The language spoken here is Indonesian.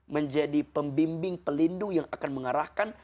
menjadi pembimbing pelindung yang akan mengarahkan